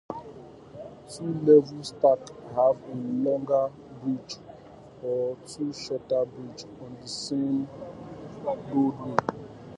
Two-level stacks have a longer bridge or two shorter bridges on the same roadway.